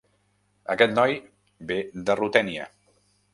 Aquest noi ve de Rutènia.